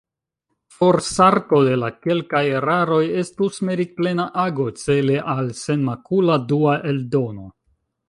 Forsarko de la kelkaj eraroj estus meritplena ago, cele al senmakula dua eldono.